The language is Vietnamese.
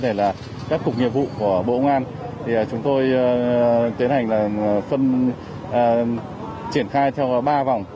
các cục nghiệp vụ của bộ công an thì chúng tôi tiến hành là triển khai theo ba vòng